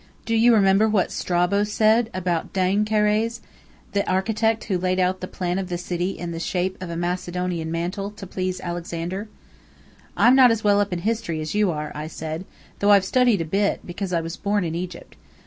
Do you remember what Strabo said about Deinchares, the architect who laid out the plan of the city in the shape of a Macedonian mantle, to please Alexander?" "I'm not as well up in history as you are," I said, "though I've studied a bit, because I was born in Egypt.